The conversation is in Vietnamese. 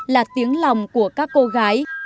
là tiếng lòng của các cô gái